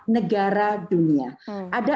negara dunia ada